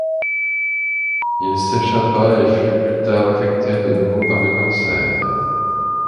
Il s'échappa et fut plus tard affecté de nouveau par le cancer.